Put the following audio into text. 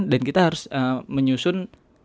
dan kita harus menyusun